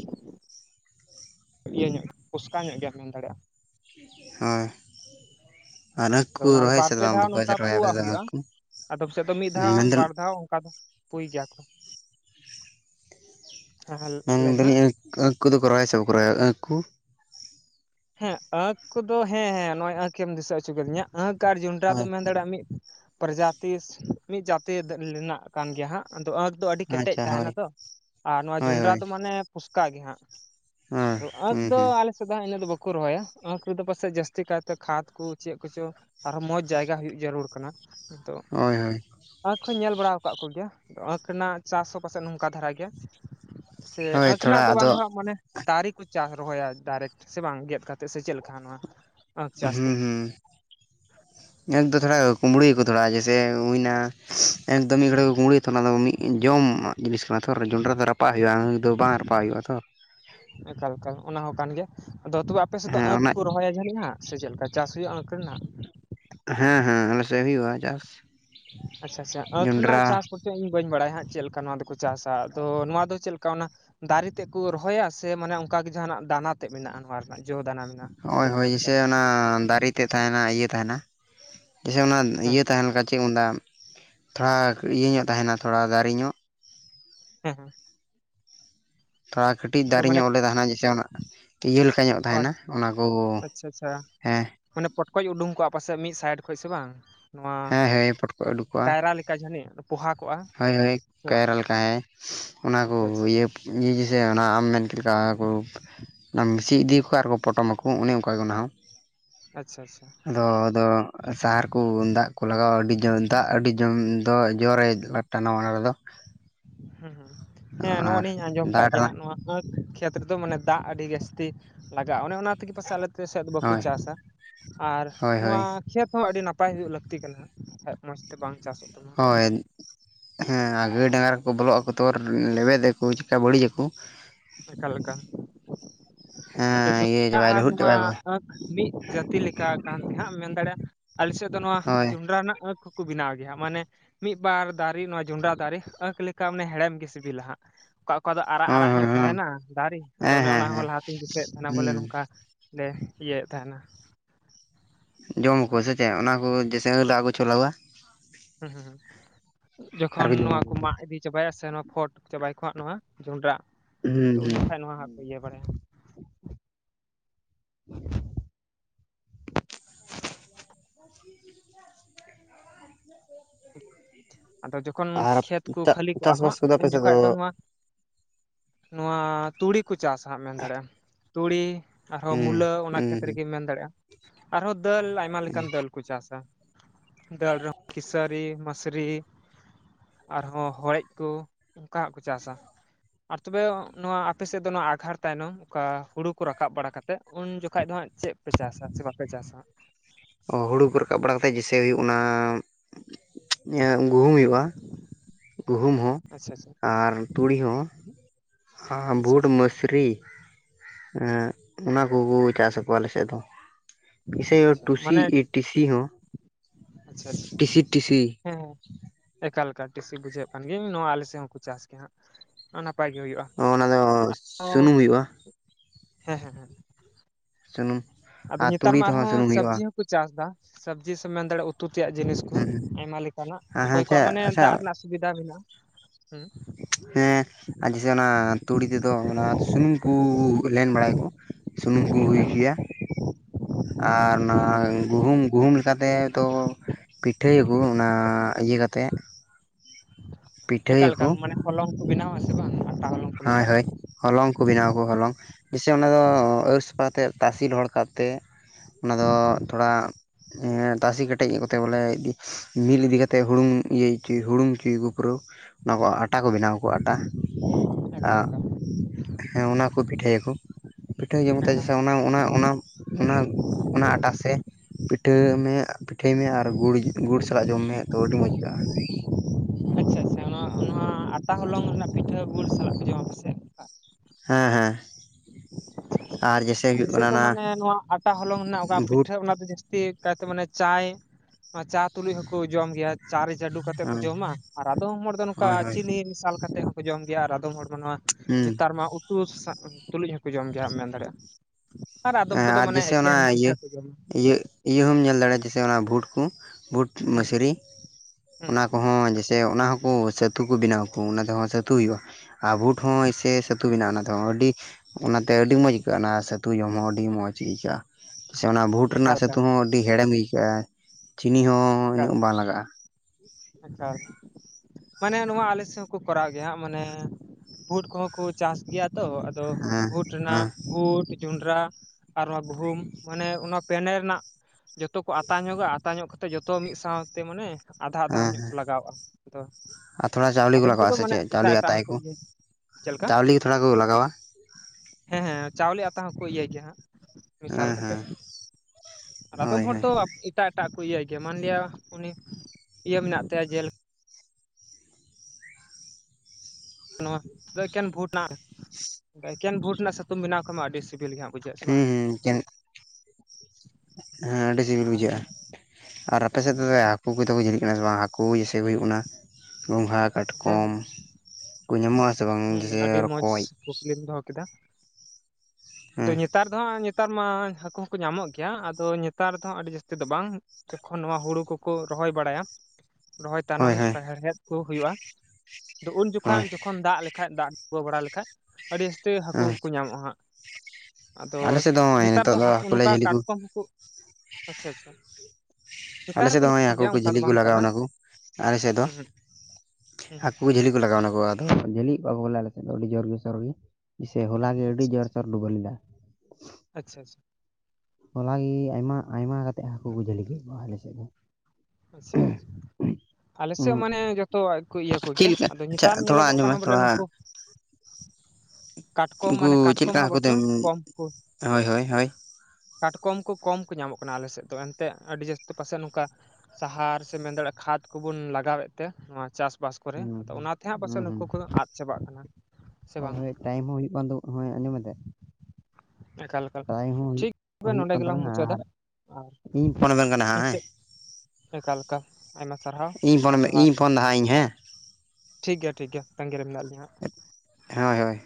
ᱤᱭᱟᱹ ᱧᱚᱜ ᱜᱮ ᱯᱚᱥᱠᱟ ᱧᱚᱜ ᱜᱮᱭᱟᱢ ᱢᱮᱱ ᱫᱟᱲᱮᱭᱟᱜᱼᱟ᱾ ᱦᱳᱭ ᱟᱨ ᱟᱹᱠᱷ ᱟᱫᱚ ᱠᱩ ᱚᱱᱟ ᱨᱚᱦᱚᱭ ᱵᱟᱨ ᱥᱮᱫ ᱯᱮ ᱵᱟᱝ ᱫᱷᱟᱣ ᱵᱠᱚ ᱱᱚᱝᱠᱟ ᱨᱚᱦᱮᱫ ᱯᱩᱣᱟᱜ [UNINTELLIGIBLE] ᱫᱟ ᱦᱩᱭᱩᱜᱼᱟ ᱟᱹᱠᱷ ᱠᱩ ᱟᱫᱚᱢ ᱥᱮᱫ ᱫᱚ ᱢᱤᱫ ᱫᱷᱟᱣ ᱵᱟᱨ ᱫᱷᱟᱣ ᱚᱱᱠᱟ ᱯᱩᱭ ᱜᱮᱭᱟ ᱠᱚ [INAUDIBLE] ᱢᱮᱱ ᱞᱟᱹᱭ ᱢᱮ ᱦᱟᱸᱜ ᱫᱟᱹᱞᱤᱧ ᱟᱹᱠᱷ ᱠᱚᱫᱚ ᱠᱚ ᱨᱚᱦᱚᱭ ᱥᱮ ᱵᱟᱠᱚ ᱨᱚᱦᱚᱭᱟ ᱟᱹᱠᱷ ᱠᱚ᱾ ᱦᱮᱸ ᱟᱹᱠᱷ ᱠᱚᱫᱚ ᱦᱮᱸ ᱦᱮᱸ ᱱᱚᱜ ᱚᱭ ᱟᱹᱠᱷ ᱮᱢ ᱫᱤᱥᱟᱹ ᱚᱪᱚ ᱠᱟᱹᱫᱤᱧᱟ ᱟᱹᱠᱷ ᱟᱨ ᱡᱚᱱᱰᱨᱟ ᱦᱳᱭ ᱫᱚᱢ ᱢᱮᱱ ᱫᱟᱲᱮᱭᱟᱜᱼᱟ ᱢᱤᱫ ᱯᱨᱚᱡᱟᱛᱤ ᱢᱤᱫ ᱡᱟᱛᱤ ᱞᱮᱱᱟᱜ ᱠᱟᱱ ᱜᱮᱭᱟ ᱦᱟᱸᱜ ᱟᱫᱚ ᱟᱸᱠᱷ ᱫᱚ ᱟᱹᱰᱤ ᱠᱮᱴᱮᱡ ᱟᱪᱪᱷᱟ ᱛᱟᱦᱮᱱᱟ ᱦᱳᱭ ᱛᱚ ᱟᱨ ᱱᱚᱣᱟ ᱦᱳᱭ ᱡᱚᱰᱨᱟ ᱦᱳᱭ ᱫᱚ ᱢᱟᱱᱮ ᱩᱥᱠᱟᱜ ᱜᱮ ᱦᱟᱸᱜ ᱦᱳᱭ ᱟᱫᱚ ᱟᱹᱠᱷ ᱦᱩᱸ ᱫᱚ ᱦᱩᱸ ᱟᱞᱮ ᱥᱮᱫ ᱫᱚ ᱤᱱᱟᱹ ᱫᱚ ᱵᱟᱠᱚ ᱠᱚ ᱨᱚᱦᱚᱭᱟ ᱟᱹᱠᱷ ᱨᱮᱫᱚ ᱯᱟᱥᱮ ᱡᱟᱹᱥᱛᱤ ᱠᱟᱭᱛᱮ ᱠᱷᱟᱫ ᱠᱚ ᱪᱮᱫ ᱠᱚᱪᱚ ᱟᱨᱦᱚᱸ ᱢᱚᱸᱡᱽ ᱡᱟᱭᱜᱟ ᱦᱩᱭᱩᱜ ᱡᱟᱹᱨᱩᱲ ᱠᱟᱱᱟ ᱱᱤᱛᱚᱜ ᱦᱳᱭ ᱦᱳᱭ ᱟᱸᱠᱷ ᱦᱚᱸᱧ ᱧᱮᱞ ᱵᱟᱲᱟ ᱟᱠᱟᱫ ᱠᱚᱜᱭᱟ ᱟᱸᱠᱷ ᱨᱮᱱᱟᱜ ᱪᱟᱥ ᱦᱚᱸ ᱯᱟᱥᱮ ᱱᱚᱝᱠᱟ ᱫᱷᱟᱨᱟ ᱜᱮᱭᱟ᱾ ᱥᱮ ᱦᱳᱭ ᱟᱹᱠᱷ ᱛᱷᱚᱲᱟ ᱨᱮᱱᱟᱜ ᱫᱚ ᱵᱟᱝ ᱟᱫᱚ ᱫᱚ ᱦᱟᱸᱜ ᱢᱟᱱᱮ ᱫᱟᱨᱮ ᱠᱚ ᱪᱟᱥ ᱨᱚᱦᱚᱭᱟ ᱰᱟᱭᱨᱮᱴ ᱥᱮ ᱵᱟᱝ ᱜᱮ᱾ ᱠᱟᱛᱮᱫ ᱥᱮ ᱪᱮᱫ ᱞᱮᱠᱟ ᱱᱚᱣᱟ ᱟᱹᱠᱷ ᱪᱟᱥ ᱫᱚ᱾ ᱱᱮᱥ ᱫᱚ ᱛᱷᱚᱲᱟ ᱠᱩᱢᱲᱩ ᱜᱮᱠᱚ ᱛᱷᱚᱲᱟ ᱡᱮᱥᱮ ᱦᱩᱭ ᱮᱱᱟ ᱮᱠᱫᱚᱢ ᱢᱤᱫ ᱜᱷᱟᱲᱤ ᱠᱩᱲᱩᱤ ᱚᱱᱟᱫᱚ ᱢᱤᱫ ᱡᱚᱢᱟᱜ ᱡᱤᱱᱤᱥ ᱠᱟᱱᱟ ᱛᱚ ᱡᱚᱱᱰᱨᱟ ᱫᱚ ᱨᱟᱯᱟᱜ ᱦᱩᱭᱩᱜᱼᱟ ᱟᱹᱠᱷ ᱫᱚ ᱵᱟᱝ ᱨᱟᱯᱟᱜ ᱦᱩᱭᱩᱜᱼᱟ ᱛᱚ ᱮᱠᱟᱞᱠᱟᱞ ᱚᱱᱟ ᱦᱚᱸ ᱠᱟᱱ ᱜᱮᱭᱟ ᱟᱫᱚ ᱛᱚᱵᱮ ᱟᱯᱮ ᱥᱮᱫ ᱫᱚ ᱦᱮᱸ ᱟᱹᱠᱷ ᱚᱱᱟ ᱠᱚ ᱨᱚᱦᱚᱭᱟ ᱮᱱᱟᱜ ᱥᱮ ᱪᱮᱫ ᱞᱮᱠᱟ ᱪᱟᱥ ᱦᱩᱭᱩᱜᱼᱟ ᱟᱹᱠᱷ ᱨᱮᱱᱟᱜ ᱦᱮᱸ ᱦᱮᱸ ᱟᱞᱮᱴᱮᱮᱫ ᱦᱩᱭᱩᱜᱼᱟ ᱪᱟᱥ᱾ ᱟᱪᱪᱷᱟ ᱟᱪᱪᱷᱟ ᱟᱸᱠᱷ ᱨᱮᱱᱟᱜ ᱡᱚᱸᱰᱨᱟ ᱪᱟᱥ [UNINTELLIGIBLE] ᱤᱧ ᱵᱟᱹᱧ ᱵᱟᱲᱟᱭᱟ ᱦᱟᱸᱜ ᱪᱮᱫ ᱞᱮᱠᱟ ᱱᱚᱣᱟ ᱫᱚᱠᱚ ᱪᱟᱥᱟ ᱟᱫᱚ ᱱᱚᱣᱟ ᱫᱚ ᱪᱮᱫ ᱞᱮᱠᱟ ᱚᱱᱟ ᱫᱟᱨᱮ ᱛᱮᱫ ᱠᱚ ᱨᱚᱦᱚᱭᱟ ᱥᱮ ᱢᱟᱱᱮ ᱚᱱᱠᱟᱟᱜᱮ ᱡᱟᱦᱟᱸᱟᱱᱟᱜ ᱫᱟᱱᱟ ᱛᱮᱫ ᱢᱮᱱᱟᱜᱼᱟ ᱱᱚᱣᱟ ᱨᱮᱱᱟᱜ ᱡᱚ ᱫᱟᱱᱟ ᱢᱮᱱᱟᱜᱼᱟ ᱦᱳᱭ ᱪᱮᱫ ᱞᱮᱠᱟ ᱦᱳᱭ ᱠᱚ ᱪᱟᱥᱟ ᱥᱮᱭ ᱚᱱᱟ ᱫᱟᱨᱮ ᱛᱮᱫ ᱛᱟᱦᱮᱱᱟ ᱤᱭᱟᱹ ᱛᱟᱦᱮᱱᱟ ᱡᱮᱭᱥᱮ ᱚᱱᱟ ᱦᱮᱸ ᱤᱭᱟᱹ ᱛᱟᱦᱮ ᱞᱮᱠᱟ ᱪᱮᱫ ᱢᱮᱱᱫᱟ ᱛᱷᱚᱲᱟ ᱤᱭᱟᱹ ᱧᱚᱜ ᱛᱟᱦᱮᱱᱟ ᱛᱷᱚᱲᱟ ᱫᱟᱨᱮ ᱧᱚᱜ ᱦᱮᱸ ᱦᱮᱸ ᱛᱷᱚᱲᱟ ᱠᱟᱹᱴᱤᱡ ᱟᱫᱚ ᱫᱟᱨᱮ ᱢᱟᱱᱮ ᱧᱚᱜ ᱟᱪᱪᱷᱟ ᱞᱮᱫᱟ ᱦᱟᱱᱟ ᱡᱮᱭᱤᱟ ᱤᱭᱟᱹ ᱞᱮᱠᱟ ᱧᱚᱜ ᱛᱟᱦᱮᱱᱟ ᱚᱱᱟ ᱠᱚ ᱟᱪᱪᱷᱟ ᱦᱮᱸ ᱢᱟᱱᱮ ᱯᱚᱴᱠᱚᱡ ᱩᱰᱩᱝ ᱠᱚᱜᱼᱟ ᱯᱟᱥᱮᱡ ᱢᱤᱫ ᱥᱟᱭᱤᱰ ᱠᱷᱚᱱ ᱥᱮ ᱵᱟᱝ ᱱᱚᱣᱟ ᱦᱮᱸ ᱦᱳᱭ ᱯᱚᱴᱠᱚᱡ ᱩᱰᱩᱠᱚᱜᱼᱟ ᱠᱟᱭᱨᱟ ᱞᱮᱠᱟ ᱠᱟ ᱡᱟᱱᱤᱡ ᱯᱚᱦᱟ ᱠᱚᱜᱼᱟ᱾ ᱦᱳᱭ ᱦᱳᱭ ᱥᱮ ᱵᱟᱝ ᱠᱟᱭᱨᱟ ᱞᱮᱠᱟ ᱚᱱᱟ ᱠᱚ ᱟᱪᱪᱷᱟ ᱟᱪᱪᱷᱟ ᱤᱭᱟᱹ ᱤᱭᱟᱹ ᱡᱮᱭᱥᱮ ᱚᱱᱟ ᱟᱢ ᱢᱮᱱ ᱠᱮᱫ ᱞᱮᱠᱟ ᱠᱚ ᱚᱱᱟ ᱢᱤᱥᱤ ᱤᱫᱤᱭᱟᱠᱚᱣᱟ ᱟᱨᱠᱚ ᱯᱚᱴᱚᱢᱟᱠᱚ ᱚᱱᱮ ᱚᱱᱠᱟᱜᱮ ᱚᱱᱟ ᱦᱚᱸ ᱟᱪᱪᱷᱟ ᱟᱪᱪᱷᱟ ᱟᱫᱚ ᱟᱫᱚ ᱥᱟᱦᱟᱨ ᱠᱚ ᱫᱟᱜ ᱞᱟᱜᱟᱣᱟ ᱟᱹᱰᱤ ᱫᱟᱜ ᱟᱹᱰᱤ ᱡᱚᱢ ᱫᱚ ᱡᱚᱨᱮ ᱴᱟᱱᱟᱣ ᱚᱱᱟ ᱨᱮᱫᱚ ᱦᱩᱸ ᱦᱩᱸ ᱦᱮᱸ ᱱᱚᱜᱼᱚ ᱟᱨ ᱱᱤᱧ ᱟᱸᱡᱚᱢ ᱫᱟᱜ ᱠᱟᱜ ᱜᱮᱭᱟ ᱴᱟᱱᱟ ᱦᱟᱜ ᱱᱚᱣᱟ ᱟ. ᱠᱷ ᱠᱷᱮᱛ ᱨᱮᱫᱚ ᱢᱟᱱᱮ ᱫᱟᱜ ᱟᱹᱰᱤ ᱡᱟᱹᱥᱛᱤ ᱞᱟᱜᱟᱜᱼᱟ ᱚᱱᱮ ᱚᱱᱟ ᱛᱤᱠᱮ ᱯᱟᱥᱮ ᱟᱞᱮ ᱥᱮᱫ ᱫᱚ ᱵᱟᱠᱚ ᱦᱳᱭ ᱪᱟᱥᱟ ᱟᱨ ᱦᱳᱭ ᱱᱚᱣᱟ ᱦᱳᱭ ᱠᱷᱮᱛ ᱦᱚᱸ ᱟᱹᱰᱤ ᱱᱟ ᱱᱟᱯᱟᱭ ᱦᱩᱭᱩᱜ ᱞᱟᱹᱠᱛᱤ ᱠᱟᱱᱟ ᱢᱚᱸᱡ ᱛᱮ ᱵᱟᱝ ᱪᱟᱥᱚᱜ ᱛᱟᱢᱟ ᱦᱳᱭ ᱦᱮᱸ ᱜᱟᱹᱭ ᱰᱟᱝᱨᱟᱠᱚ ᱵᱚᱞᱚᱜ ᱟᱠᱚ ᱛᱚ ᱞᱮᱵᱮᱫ ᱟᱠᱚ ᱪᱮᱠᱟ ᱵᱟᱹᱲᱤᱡ ᱟᱠᱚ ᱮᱠᱟᱞᱮᱞᱟ ᱟᱫᱚ ᱦᱮᱸ ᱤᱭᱟᱹ ᱪᱟᱵᱟᱭᱟ [UNINTELLIGIBLE] ᱞᱟᱹᱦᱩᱫ ᱱᱚᱣᱟ ᱪᱟᱵᱟᱭᱟᱠᱚ ᱟ. ᱠᱷ ᱢᱤᱫ ᱡᱟᱹᱛᱤ ᱞᱮᱠᱟ ᱠᱟᱱᱛᱮ ᱦᱟᱸᱜ ᱢᱮᱱ ᱫᱟᱲᱮᱭᱟᱜᱼᱟ ᱟᱞᱮ ᱥᱮᱫ ᱫᱚ ᱱᱚᱣᱟ ᱦᱳᱭ ᱡᱚᱸᱰᱨᱟ ᱨᱮᱱᱟᱜ ᱟ. ᱠᱷ [UNINTELLIGIBLE] ᱵᱮᱱᱟᱣ ᱜᱮᱭᱟ ᱢᱟᱱᱮ ᱢᱤᱫ ᱵᱟᱨ ᱫᱟᱨᱮ ᱱᱚᱣᱟ ᱡᱚᱱᱰᱨᱟ ᱫᱟᱨᱮ ᱟᱸᱠ ᱞᱮᱠᱟ ᱟᱱᱮ ᱦᱮᱲᱮᱢ ᱜᱮ ᱥᱤᱵᱤᱞᱟ ᱦᱟᱸᱜ ᱾ ᱚᱠᱟ ᱚᱠᱟ ᱫᱚ ᱟᱨᱟᱜ ᱦᱳᱭ ᱟᱨᱟᱜ ᱦᱳᱭ ᱧᱚᱜ ᱚᱠᱟ ᱚᱠᱟ ᱚᱠᱟ ᱫᱚ ᱦᱳᱭ ᱟᱨᱟᱜ ᱟᱨᱟᱜ ᱛᱟᱦᱮᱱᱟ ᱫᱟᱨᱮ ᱟᱫᱚ ᱦᱮᱸ ᱚᱱᱮ ᱚᱱᱟ ᱦᱮᱸ ᱦᱮᱸ ᱦᱚᱸ ᱞᱟᱦᱟᱛᱤᱧ ᱫᱤᱥᱟᱹᱭᱮᱫ ᱛᱟᱦᱮᱱᱟ ᱵᱚᱞᱮ ᱦᱩᱸ ᱱᱚᱝᱠᱟ ᱞᱮ ᱤᱭᱟᱹᱭᱮᱫ ᱛᱟᱦᱮᱱᱟ ᱾ ᱡᱚᱢ ᱟᱠᱩ ᱥᱮ ᱪᱮᱜ ᱚᱱᱟ ᱠᱚ ᱡᱮᱥᱮ ᱟᱹᱞᱟ ᱠᱩ ᱪᱷᱚᱞᱟᱹᱣᱟ ᱾ ᱦᱩᱸ ᱦᱩᱸ ᱦᱩᱸ ᱡᱚᱠᱷᱚᱱ ᱟᱨᱠᱚ ᱡᱚᱢᱟ ᱱᱚᱣᱟ ᱠᱚ ᱢᱟᱜ ᱤᱫᱤ ᱪᱟᱵᱟᱭᱟ ᱥᱮ ᱱᱚᱣᱟ ᱯᱷᱚᱴ ᱪᱟᱵᱟᱭᱟᱠᱚ ᱦᱟᱸᱜ ᱱᱚᱣᱟ ᱡᱚᱸᱰᱨᱟ, ᱛᱚ ᱦᱩᱸ ᱩᱱ ᱦᱩᱸ ᱡᱠᱷᱷᱟ ᱱᱚᱣᱟ ᱦᱟᱸᱜ ᱠᱚ ᱤᱭᱟᱹ ᱵᱟᱲᱟᱭᱟ ᱾ ᱟᱫᱚ ᱡᱚᱠᱷᱚᱱ ᱟᱨ ᱠᱷᱮᱛ ᱠᱚ ᱪᱟᱜ ᱠᱷᱟᱹᱞᱤ ᱠᱚᱜᱼᱟ ᱦᱟᱸᱜ ᱪᱟᱥᱵᱟᱥ ᱠᱚᱫᱚ ᱩᱱ ᱟᱯᱮ ᱥᱮᱫ ᱡᱚᱠᱷᱟᱡ ᱫᱚ ᱱᱚᱣᱟ ᱱᱚᱣᱟ ᱛᱩᱲᱤ ᱠᱚ ᱪᱟᱥᱟ ᱦᱟᱸᱜ ᱢᱮᱱ ᱫᱟᱲᱮᱜ ᱟᱢ, ᱛᱩᱲᱤ ᱟᱨᱦᱚᱸ ᱦᱩᱸ ᱢᱩᱞᱟᱹ ᱚᱱᱟ ᱦᱩᱸ ᱠᱷᱮᱛᱨᱮᱜᱮᱢ ᱢᱮᱱ ᱫᱟᱲᱮᱭᱟᱜᱼᱟ ᱟᱨᱦᱚᱸ ᱫᱟᱹᱞ ᱟᱭᱢᱟ ᱦᱩᱸ ᱞᱮᱠᱟᱱ ᱫᱟᱹᱞ ᱾ ᱠᱩ ᱟᱥᱟ [UNINTELLIGIBLE] ᱠᱤᱥᱟᱨᱤ ᱢᱟᱥᱨᱤ ᱾ ᱟᱨᱦᱚᱸ ᱦᱚᱲᱮᱡ ᱠᱩ ᱚᱱᱠᱟ ᱦᱟᱸᱜ ᱠᱚ ᱪᱟᱥᱟ ᱾ ᱟᱨ ᱛᱚᱵᱮ ᱱᱚᱣᱟ ᱟᱯᱮ ᱥᱮᱫ ᱫᱚ ᱱᱚᱣᱟ ᱟᱜᱷᱟᱷᱟᱨ ᱛᱟᱭᱱᱚᱢ ᱚᱠᱟ ᱦᱩᱲᱩ ᱠᱚ ᱨᱟᱠᱟᱵ ᱵᱟᱲᱟ ᱠᱟᱛ ᱩᱱ ᱡᱚᱚᱠᱷᱟ ᱫᱚ ᱦᱜ ᱪᱮᱫ ᱯᱮ ᱪᱟᱥᱟ ᱥᱮ ᱵᱟᱯᱮ ᱪᱟᱥᱟ? ᱦᱩᱲᱩ ᱠᱚ ᱨᱟᱠᱟᱵ ᱵᱟᱲᱟ ᱠᱟᱛᱮ ᱡᱮᱥᱮ ᱦᱩᱭᱩᱜ ᱚᱱᱟ ᱜᱩᱦᱩᱢ ᱦᱩᱭᱩᱜᱼᱟ ᱾ ᱜᱩᱦᱩᱢ ᱦᱚᱸ ᱟᱪᱪᱷᱟ ᱟᱪᱪᱷᱟ ᱟᱨ ᱛᱩᱲᱤ ᱦᱚᱸ ᱟᱪᱪᱷᱟ ᱵᱩᱴ ᱟᱪᱪᱷᱟ ᱢᱟᱥ ᱥᱨᱤ ᱮᱸᱜ ᱚᱱᱟ ᱠᱚᱠᱚ ᱪᱟᱥ ᱟᱠᱚᱣᱟ ᱟᱞᱮ ᱥᱮᱫ ᱫᱚ ᱾ ᱮᱥᱟᱭ ᱟᱪᱪᱷᱟ ᱟᱪᱪᱷᱟ ᱴᱩᱥᱤ ᱢᱟᱱᱮ ᱤ ᱴᱤᱥᱤ ᱦᱚᱸ ᱾ ᱟᱪᱪᱷᱟ ᱟᱪᱪᱷᱟ ᱾ ᱦᱮᱸ ᱮᱠᱟᱞᱮᱠᱟ ᱴᱤᱥᱤ ᱵᱩᱡᱷᱟᱹᱜ ᱠᱟᱱ ᱜᱤᱭᱟᱹᱧ ᱱᱚᱣᱟ ᱟᱞᱮ ᱥᱮᱫ ᱦᱚᱸᱠᱚ ᱪᱟᱥ ᱜᱮᱭᱟ ᱦᱟᱸᱜ ᱾ ᱚᱱᱟ ᱱᱟᱯᱟᱭ ᱜᱮ ᱚ ᱚᱱᱟ ᱫᱚ ᱥᱩᱱᱩᱢ ᱦᱩᱭᱩᱜᱼᱟ? ᱦᱮᱸ ᱦᱮᱸ ᱦᱮᱸ ᱾ ᱥᱩᱱᱩᱢ ᱟᱨ ᱛᱩᱲᱤ ᱛᱮᱦᱚᱸ ᱥᱩᱱᱩᱢ ᱦᱩᱭᱩᱜᱼᱟ ᱾ ᱠᱚ ᱪᱟᱥ ᱫᱟ ᱥᱚᱵᱽᱡᱤ ᱥᱮ ᱢᱮᱱ ᱫᱟᱲᱮᱜ ᱩᱛᱩ ᱛᱮᱭᱟᱜ ᱡᱤᱱᱤᱥ ᱾ ᱠᱩ ᱦᱩᱸ ᱦᱩᱸ ᱟᱭᱢᱟ ᱞᱮᱠᱟᱱᱟᱜ ᱦᱮᱸ ᱦᱮᱸ ᱚᱠᱚᱭ ᱟᱪᱪᱷᱟ ᱠᱚᱣᱟᱜ ᱢᱟᱱᱮ ᱟᱪᱪᱷᱟ ᱫᱟᱜ ᱨᱮᱱᱟᱜ ᱥᱩᱵᱤᱫᱷᱟ ᱢᱮᱱᱟᱜᱼᱟ ᱾ ᱦᱩᱸ ᱦᱮᱸ ᱟᱨ ᱡᱭᱥᱮ ᱚᱱᱟ ᱛᱩᱲᱤ ᱛᱮᱫᱚ ᱚᱱᱟ ᱥᱩᱱᱩᱢ ᱠᱩ ᱞᱮᱱ ᱵᱟᱲᱟᱭᱟᱠᱚ ᱾ ᱥᱩᱱᱩᱢ ᱠᱚ ᱦᱩᱭ ᱦᱩᱪᱩᱭᱟ ᱾ ᱟᱨ ᱚᱱᱟ ᱜᱩᱦᱩᱢ ᱜᱩᱦᱩᱢ ᱞᱮᱠᱟᱛᱮ ᱛᱚ ᱯᱤᱴᱷᱟᱹᱭᱟᱠᱚ ᱚᱱᱟ ᱤᱭᱟᱹ ᱠᱟᱛᱮᱫ ᱾ ᱮᱠᱟᱞ ᱮᱠᱟᱞ ᱢᱟᱱᱮ ᱦᱚᱞᱚᱝ ᱠᱚ ᱵᱮᱱᱟ ᱟᱥᱮ ᱵᱟᱝ ᱟᱴᱟ ᱦᱚᱞᱚᱝ ᱾ ᱦᱳᱭ ᱦᱳᱭ ᱾ ᱦᱚᱞᱚᱝ ᱠᱚ ᱵᱮᱱᱟᱣᱟᱠᱚ ᱦᱚᱞᱚᱝ ᱡᱮᱭᱮᱥᱮ ᱚᱱᱟ ᱫᱚ ᱟᱹᱨᱩᱵ ᱥᱟᱯᱷᱟ ᱠᱟᱛᱮᱫ ᱛᱟᱥᱮ ᱨᱚᱦᱚᱲ ᱠᱟᱛᱮ ᱚᱱᱟ ᱫᱚ ᱛᱷᱚᱲᱟ ᱛᱟᱥᱮ ᱠᱮᱴᱮᱡ ᱧᱚᱜ ᱠᱟᱛᱮ ᱵᱚᱞᱮ ᱢᱤᱞ ᱤᱫᱤ ᱠᱟᱛᱮᱫ ᱦᱩᱲᱩᱝ ᱤᱭᱟᱹ ᱚᱪᱚᱭᱮ ᱦᱩᱲᱩᱝ ᱩᱪᱩᱭᱟᱠᱚ ᱯᱩᱨᱟᱹ ᱚᱱᱟ ᱠᱚ ᱟᱴᱟ ᱠᱚ ᱵᱮᱱᱟᱣᱟᱠᱚ ᱟᱴᱟ ᱾ ᱮᱠᱟᱞ ᱮᱠᱟᱞ ᱾ ᱦᱮᱸ ᱚᱱᱟ ᱠᱚ ᱯᱤᱴᱷᱟᱹᱭᱟᱠᱚ ᱾ ᱯᱤᱴᱷᱟᱹ ᱡᱮᱚᱢᱛ ᱮᱠᱟᱞ ᱡᱮᱥᱮ ᱚᱱᱟ ᱚᱱᱟ ᱚᱱᱟ ᱚᱱᱟ ᱟᱴᱟ ᱥᱮ ᱯᱤᱴᱷᱟᱹ ᱢᱮ ᱯᱤᱴᱷᱟᱹᱭ ᱢᱮ ᱟᱨ ᱜᱩᱲ ᱜᱩᱲ ᱥᱟᱞᱟᱜ ᱡᱚᱢ ᱢᱮ ᱛᱚ ᱟᱹᱰᱤ ᱢᱚᱡᱽ ᱟᱹᱠᱟᱹᱜᱼᱟ ᱾ ᱟᱪᱪᱷᱟ ᱟᱪᱪᱷᱟ ᱚᱱᱟ ᱱᱚᱣᱟ ᱟᱴᱟ ᱦᱚᱞᱚᱝ ᱨᱮᱱᱟᱜ ᱯᱤᱴᱷᱟᱹ ᱜᱩᱲ ᱥᱟᱞᱟᱜ ᱠᱚ ᱡᱚᱢᱟ ᱯᱟᱥᱮ ᱾ ᱦᱮᱸ ᱦᱮᱸ ᱟᱨ ᱡᱟᱥ ᱟᱞᱮ ᱥᱮᱫ ᱫᱚ ᱢᱟᱱᱮ ᱱᱚᱣᱟ ᱟᱴᱟ ᱦᱚᱞᱚᱝ ᱨᱮᱱᱟᱜ ᱚᱠᱟ ᱵᱷᱩᱴ ᱯᱤᱴᱷᱟᱹ ᱚᱱᱟ ᱫᱚ ᱡᱟᱹᱥ ᱡᱟᱹᱥᱛᱤ ᱠᱟᱭᱛᱮ ᱢᱟᱱᱮ ᱪᱟᱭ, ᱪᱟ ᱛᱩᱞᱩᱡ ᱦᱚᱸᱠᱚ ᱡᱚᱢ ᱜᱮᱭᱟ ᱾ ᱪᱟᱨᱮ ᱪᱟᱰᱩ ᱠᱟ ᱠᱟᱛᱮᱫ ᱠᱚ ᱦᱳᱭ ᱡᱚᱢᱟ, ᱟᱨ ᱟᱫᱚᱢ ᱦᱚᱲ ᱫᱚ ᱱᱚᱝᱠᱟ ᱦᱳᱭ ᱪᱤᱱᱤ ᱢᱮᱥᱟᱞ ᱠᱟ ᱠᱟᱛᱮᱫ ᱦᱚᱸ ᱡᱚᱢ ᱜᱮᱭᱟ ᱟᱨ ᱟᱫᱚᱢ ᱦᱚᱲ ᱢᱟ ᱱᱚᱣᱟ ᱦᱩᱸ ᱱᱮᱛᱟᱨ ᱢᱟ ᱩᱛᱩ ᱛᱩᱞᱩᱡ ᱦᱚᱸᱠᱚ ᱡᱚᱢ ᱜᱮᱭᱟ ᱮᱢ ᱢᱮᱱ ᱫᱟᱲᱮᱜᱼᱟ ᱾ ᱟᱨ ᱟᱫᱚᱢ ᱦᱮᱸ ᱠᱚᱫᱚ ᱟᱨ ᱢᱟᱱᱮ ᱡᱮᱭᱥᱮ ᱚᱱᱟ ᱮᱠᱮᱱ ᱯᱤᱴᱷᱟᱹ ᱤᱭᱟᱹ ᱠᱚ ᱡᱚᱢᱟ ᱾ ᱤᱭᱟᱹ ᱤᱭᱟᱹ ᱦᱚᱸᱢ ᱧᱮᱞ ᱫᱟᱲᱮᱜᱼᱟ ᱡᱮᱥᱮ ᱚᱱᱟ ᱵᱷᱩᱴ ᱠᱚ ᱵᱷᱩᱴ, ᱦᱩᱸ ᱢᱥᱨᱤ ᱦᱩᱸ ᱚᱱᱟ ᱠᱚᱦᱚᱸ ᱡᱟᱥ ᱛᱮ ᱚᱱᱟ ᱦᱚᱸᱠᱚ ᱪᱷᱟᱹᱛᱩ ᱠᱚ ᱵᱮᱱᱟᱣᱟᱠᱚ ᱚᱱᱟ ᱛᱮᱦᱚᱸ ᱪᱷᱟᱹᱛᱩ ᱦᱩᱭᱩᱜᱼᱟ ᱾ ᱟᱨ ᱵᱩᱴ ᱦᱚᱸ ᱮᱥᱮ ᱥᱟᱛᱩ ᱵᱮᱱᱟᱜᱼᱟ ᱚᱱᱟ ᱛᱮᱦᱚᱸ, ᱟᱹᱰᱤ ᱚᱱᱟᱛᱮ ᱟᱹᱰᱤ ᱢᱚᱡ ᱟᱹᱭᱠᱟᱹᱜᱼᱟ ᱚᱱᱟ ᱥᱟᱛᱩ ᱡᱚᱢ ᱦᱚ ᱾ ᱟᱹᱰᱤ ᱢᱚᱸᱡ ᱟᱹᱭᱠᱟᱹᱜᱼᱟ ᱥᱮ ᱚᱱᱟ ᱵᱩᱴ ᱮᱠᱟᱞ ᱨᱮᱱᱟᱜ ᱥᱟᱛᱩ ᱮᱠᱟᱞ ᱦᱚᱸ ᱟᱹᱰᱤ ᱦᱮᱲᱮᱢ ᱟᱹᱭᱠᱟᱹᱜᱼᱟ ᱪᱤᱱᱤ ᱦᱚᱸ ᱾ ᱮᱠᱟᱞ ᱮᱠᱟᱞ ᱢᱟᱱᱮ ᱱᱚᱣᱟ ᱟᱞᱮ ᱥᱮᱫ ᱦᱚᱸᱠᱚ ᱠᱚᱨᱟᱣ ᱜᱮᱭᱟ ᱦᱟᱸᱜ ᱢᱟᱱᱮ ᱵᱩᱴ ᱠᱚᱦᱚᱸ ᱠᱚ ᱪᱟᱥ ᱜᱮᱭᱟ᱾ ᱛᱚ ᱟᱫᱚ ᱦᱮᱸ ᱵᱩᱴ ᱨᱮᱱᱟᱜ᱾ ᱦᱮᱸ ᱵᱩᱴ ᱡᱚᱸᱰᱽᱨᱟ ᱟᱨ ᱱᱚᱣᱟ ᱜᱩᱦᱩᱢ ᱢᱟᱱᱮ ᱚᱱᱟ ᱯᱮᱱᱮ ᱨᱮᱱᱟᱜ᱾ ᱡᱚᱛᱚ ᱠᱚ ᱟᱛᱟ ᱧᱚᱜᱟ ᱟᱛᱟ ᱧᱚᱜ ᱠᱟᱛᱮᱫ ᱡᱚᱛᱚ ᱢᱤᱫ ᱥᱟᱶᱛᱮ ᱢᱟᱱᱮ᱾ ᱟᱫᱷᱟ ᱟᱫᱷᱟ ᱦᱮᱸ ᱧᱚᱜ ᱠᱚ ᱦᱮᱸ ᱞᱟᱜᱟᱣᱟᱜᱼᱟ ᱟᱫᱚ ᱟᱨ ᱛᱷᱚᱲᱟ ᱪᱟᱣᱞᱮ ᱠᱚ ᱟᱫᱚᱢ ᱞᱟᱜᱟᱣᱟ ᱠᱚᱫᱚ ᱥᱮ ᱢᱟᱱᱮ ᱪᱮᱫ ᱪᱟᱣᱞᱮ ᱮᱴᱟᱜ ᱮᱴᱟᱜ ᱟᱛᱟᱭ ᱦᱚᱸᱠᱚ ᱠᱚ ᱤᱭᱟᱹ᱾ ᱪᱟᱣᱞᱮ ᱛᱷᱚᱲᱟ ᱠᱚ ᱞᱟᱜᱟᱣᱟᱜᱼᱟ᱾ ᱦᱮᱸ ᱦᱮᱸ ᱪᱟᱣᱞᱮ ᱟᱛᱟ ᱦᱚᱸᱠᱚ ᱤᱭᱟᱹᱭ ᱜᱮᱭᱟ ᱦᱟᱸᱜ᱾ ᱢᱮᱥᱟᱞ ᱦᱮᱸ ᱠᱟᱛᱮ ᱦᱮᱸ ᱟᱫᱚᱢ ᱦᱳᱭ ᱦᱚᱲ ᱦᱳᱭ ᱫᱚ᱾ ᱮᱴᱟᱜ ᱮᱴᱟᱜ ᱠᱚ ᱤᱭᱟᱹ ᱜᱮᱭᱟ ᱢᱟᱱᱞᱤᱭᱟ ᱩᱱᱤ ᱤᱭᱟᱹ ᱢᱮᱱᱟᱜ ᱛᱟᱭᱟ ᱡᱮᱞ᱾ ᱱᱚᱣᱟ ᱫᱚ ᱮᱠᱮᱱ ᱵᱷᱳᱴ ᱨᱮᱱᱟ ᱵᱷᱳᱴ ᱨᱮᱱᱟᱜ ᱥᱟᱛᱩᱢ ᱵᱮᱱᱟᱣ ᱠᱷᱟᱭ ᱢᱟ ᱟᱹᱰᱤ ᱥᱤᱵᱤᱞ ᱜᱮᱦᱟᱜ᱾ ᱵᱩᱡᱷᱟᱹᱜ ᱟ ᱥᱮ ᱦᱩᱸ ᱵᱟᱝ᱾ ᱦᱩᱸ ᱦᱮᱸ ᱟᱹᱰᱤ ᱥᱤᱵᱤᱞ ᱟᱨ ᱵᱩᱡᱷᱟᱹᱜᱼᱟ ᱟᱨ ᱟᱯᱮ ᱥᱮᱫ᱾ [UNINTELLIGIBLE] ᱦᱟᱹᱠᱩ ᱠᱚᱛᱚ ᱠᱚ ᱡᱷᱤᱞᱤᱜ ᱠᱟᱱᱟ ᱥᱮ ᱵᱟᱝ ᱦᱟᱹᱠᱩ ᱡᱮᱥᱮᱭᱤ ᱦᱩᱭᱩᱜ ᱠᱟᱱᱟ ᱜᱚᱝᱜᱷᱟ ᱦᱮᱸ ᱠᱟᱴᱠᱚᱢ᱾ ᱠᱚ ᱧᱟᱢᱚᱜ ᱟᱥᱮ ᱵᱟᱝ ᱦᱮᱸ ᱡᱮ ᱟᱹᱰᱤ ᱢᱚᱸᱡᱽ ᱨᱚᱠᱚᱡ? ᱠᱩᱠᱞᱤᱢ ᱫᱚᱢ ᱫᱚᱦᱚ ᱠᱮᱫᱟ᱾ ᱟᱫᱚ ᱦᱮᱸ ᱱᱮᱛᱟᱨ ᱫᱚ ᱦᱟᱸᱜ ᱱᱮᱛᱟᱨ ᱢᱟ ᱦᱟᱹᱠᱩ ᱦᱚᱸᱠᱚ ᱧᱟᱢᱚᱜ ᱜᱮᱭᱟ ᱟᱫᱚ ᱱᱮᱛᱟᱨ ᱫᱚ ᱦᱟᱸᱜ ᱟᱹᱰᱤ ᱡᱟᱹᱥᱛᱤ ᱫᱚ ᱵᱟᱝ᱾ ᱡᱚᱠᱷᱚᱱ ᱱᱚᱣᱟ ᱦᱩᱲᱩ ᱠᱚᱠᱚ ᱨᱚᱦᱚᱭ ᱵᱟᱲᱟᱭᱟ᱾ ᱨᱚᱦᱚᱭ ᱦᱳᱭ ᱛᱟᱭᱱᱚᱢ ᱦᱳᱭ ᱡᱚᱠᱷᱚᱡ ᱦᱮᱲᱦᱮᱫ ᱠᱚ ᱦᱩᱭᱩᱜᱼᱟ ᱛᱚ ᱩᱱ ᱦᱳᱭ ᱡᱚᱠᱷᱟᱱ ᱡᱚᱠᱷᱚᱱ᱾ ᱡᱚᱠᱷᱚᱱ ᱫᱟᱜ ᱞᱮᱠᱷᱟᱡ ᱫᱟᱜ ᱰᱩᱵᱟᱹ ᱵᱟᱲᱟ ᱞᱮᱠᱷᱟᱭ ᱟᱹᱰᱤ ᱡᱟᱹᱥᱛᱤ ᱦᱟᱹᱠᱩ ᱦᱮᱸ ᱠᱚᱠᱚ ᱧᱟᱢᱚᱜᱼᱟ ᱦᱟᱸᱜ᱾ ᱟᱫᱚ ᱟᱞᱮ ᱥᱮᱫ ᱫᱚ ᱱᱚᱜᱼᱚᱭ ᱱᱮᱛᱟᱨ ᱫᱚ ᱱᱤᱛᱚᱜ ᱦᱟᱹᱠᱩ ᱞᱮ ᱱᱚᱝᱠᱟ ᱡᱷᱟᱹᱞᱤ ᱠᱚ ᱠᱟᱴᱠᱚᱢ ᱦᱟᱹᱠᱩ ᱟᱪᱷᱟᱟ ᱟᱪᱷᱟ᱾ ᱟᱞᱮ ᱥᱮᱫ ᱫᱚ ᱦᱚᱸᱜᱼᱚᱭ ᱦᱟᱹᱠᱩ ᱠᱚ ᱡᱷᱟᱹᱤᱞᱤ ᱠᱚ ᱞᱟᱜᱟᱣ ᱚᱱᱟ ᱠᱚ ᱟᱞᱮ ᱥᱮᱫ ᱫᱚ᱾ ᱦᱩᱸ ᱦᱩᱸ ᱦᱩᱸ ᱦᱟᱹᱠᱩ ᱡᱷᱟᱹᱞᱤ ᱠᱚ ᱞᱟᱜᱟᱣ ᱮᱱᱟᱠᱚ ᱟᱨ᱾ ᱡᱷᱟᱹᱞᱤᱭᱮ ᱠᱚᱭᱟᱠᱚ ᱵᱚᱞᱮ ᱟᱞᱮ ᱥᱮᱫ ᱫᱚ ᱟᱹᱰᱤ ᱡᱳᱨ ᱜᱮ ᱥᱳᱨ ᱜᱮ ᱥᱮ ᱦᱚᱞᱟ ᱜᱮ ᱟᱹᱰᱤ ᱡᱳᱨ ᱥᱳᱨ ᱠᱚ ᱡᱷᱟᱹᱞᱤ ᱞᱮᱭᱟ᱾ ᱟᱪᱷᱟ ᱟᱪᱷᱟ᱾ ᱦᱚᱞᱟᱜᱮ ᱟᱭᱢᱟ ᱟᱭᱢᱟ ᱠᱟᱛᱮ ᱦᱟᱹᱠᱩ ᱠᱚ ᱡᱷᱟᱹᱞᱤ ᱠᱮᱫ ᱠᱚᱣᱟ ᱟᱞᱮᱥᱮᱫ ᱫᱚ᱾ ᱟᱪᱷᱟ᱾ ᱟᱞᱮ ᱥᱮ ᱦᱩᱸ ᱦᱚ ᱢᱟᱱᱮ ᱡᱚᱛᱚᱣᱟᱜ ᱜᱮᱠᱚ ᱤᱭᱟᱹ ᱪᱮᱫ ᱠᱚᱜᱮᱭᱟ ᱞᱮᱠᱟ ᱟᱫᱚ ᱟᱪᱪᱷᱟ ᱱᱮᱛᱟᱨ ᱛᱷᱚᱲᱟ ᱧᱮᱞᱚᱜᱚᱜ ᱟᱸᱡᱚᱢ ᱢᱮ ᱠᱟᱱᱟ ᱵᱚᱞᱮ ᱛᱷᱚᱲᱟ ᱱᱩᱠᱩ᱾ ᱠᱟᱴᱠᱚᱢ ᱩᱱᱠᱩ ᱢᱟᱱᱮ ᱪᱮᱫ ᱠᱟᱴᱠᱚᱢ ᱞᱮᱠᱟ ᱦᱟᱜ ᱦᱟᱹᱠᱩ ᱫᱚᱢ ᱵᱚᱨᱪᱚᱝ ᱠᱚᱢ ᱠᱚ ᱦᱳᱭ ᱦᱳᱭ ᱦᱳᱭ ᱠᱟᱴᱠᱚᱢ ᱠᱚ ᱠᱚᱢ ᱠᱚ ᱧᱟᱢᱚᱜ ᱠᱟᱱᱟ ᱟᱞᱮ ᱥᱮᱫ ᱫᱚ ᱮᱱᱛᱮᱜ ᱟᱹᱰᱤ ᱡᱟᱹᱥᱛᱤ ᱯᱟᱥᱮᱜ ᱱᱚᱝᱠᱟ᱾ ᱥᱟᱦᱟᱨ ᱥᱮ ᱢᱮᱱ ᱫᱟᱲᱮᱭᱟᱜᱼᱟ ᱠᱷᱟᱛ ᱠᱚᱵᱩᱱ ᱞᱟᱜᱟᱣᱮᱫ ᱛᱮ ᱱᱚᱣᱟ ᱪᱟᱥᱵᱟᱥ᱾ ᱠᱚᱨᱮ ᱦᱩᱸ ᱟᱫᱚ ᱚᱱᱟᱛᱮᱦᱟᱸᱜ ᱯᱟᱥᱮᱜ ᱦᱩᱸ ᱦᱩᱸ ᱱᱩᱠᱩ ᱠᱚᱫᱚ ᱟᱸᱫ ᱪᱟᱵᱟᱜ ᱠᱟᱱᱟ ᱥᱮ ᱦᱳᱭ ᱵᱟᱝ᱾ ᱦᱳᱭ ᱴᱟᱭᱤᱢ ᱦᱚᱸ ᱦᱩᱭᱩᱜ ᱠᱟᱱ ᱫᱚ ᱦᱮᱸ ᱟᱸᱚᱢᱮᱫᱮ᱾ ᱮᱠᱟᱞ᱾ ᱦᱚᱸ ᱴᱷᱤᱠᱮ ᱦᱩᱭᱩᱜ ᱱᱚᱰᱮ ᱠᱟᱱ ᱜᱮᱞᱟᱝ ᱛᱟᱞᱟᱝᱟ ᱢᱩᱪᱟᱹᱫᱟ ᱟᱨ ᱟᱨ ᱤᱧ ᱯᱷᱳᱱ ᱟᱵᱮᱱ ᱠᱟᱱᱟ ᱦᱟᱸᱜ ᱤᱧ ᱦᱮᱸ ᱥᱮᱫ᱾ ᱮᱠᱟᱞᱮᱠᱟ ᱟᱭᱢᱟ ᱥᱟᱨᱦᱟᱣ ᱤᱧ ᱯᱷᱳᱱ ᱟᱨ ᱡᱚᱦᱟᱨ᱾ ᱤᱧ ᱯᱷᱳᱱ ᱫᱟ ᱦᱟᱸᱜ ᱤᱧ ᱦᱮᱸ ᱴᱷᱤᱠ ᱜᱮᱭᱟ ᱴᱷᱤᱠ ᱜᱮᱭᱟ ᱛᱟᱝᱜᱤ ᱨᱮ ᱢᱮᱱᱟᱜ ᱞᱤᱧᱼᱟ ᱦᱟᱜ᱾ ᱦᱮᱸᱦᱳᱭ ᱦᱳᱭ᱾